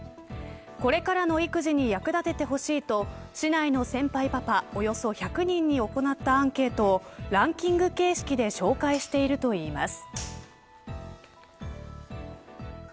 これからの育児に役立ててほしいと市内の先輩パパおよそ１００人に行ったアンケートをランキング形式で紹介しているといいます。